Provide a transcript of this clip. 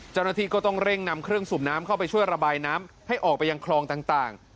เจ้าหน้าที่ก็ต้องเร่งนำเครื่องสูบน้ำเข้าไปช่วยระบายน้ำให้ออกไปยังคลองต่าง